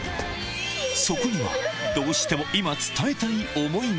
そこには、どうしても今、伝えたい思いが。